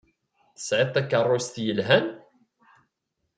Tesɛiḍ takeṛṛust yelhan?